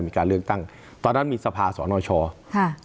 มีการเลือกตั้งตอนนั้นมีสภาสระหน้าช้อครับ